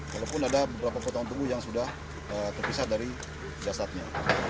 walaupun ada beberapa potongan tubuh yang sudah terpisah dari jasadnya